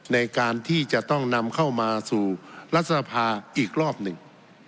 ในการที่จะต้องนำเข้ามาสู่รัฐสภาอีกรอบหนึ่ง